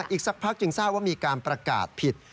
อีกสักพักจึงทราบว่ามีการประกาศผิด